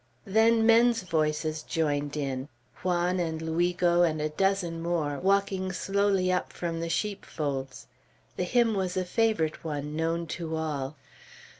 Then men's voices joined in, Juan and Luigo, and a dozen more, walking slowly up from the sheepfolds. The hymn was a favorite one, known to all.